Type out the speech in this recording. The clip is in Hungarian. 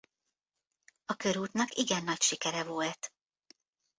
A körútnak igen nagy sikere volt.